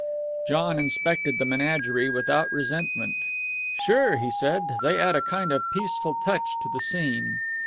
John inspected the menagerie without resentment. "Sure!" he said. "They add a kind of peaceful touch to the scene."